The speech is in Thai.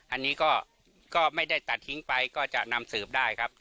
อันนี้ก็ไม่ได้ตัดทิ้งไปก็จะนำสืบได้ครับ